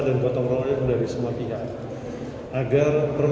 dan kota kota yang dari semua pihak